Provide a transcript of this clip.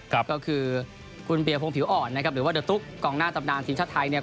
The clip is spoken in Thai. ก็คือคุณเปียพงผิวอ่อนนะครับหรือว่าเดอร์ตุ๊กกองหน้าตำนานทีมชาติไทยเนี่ย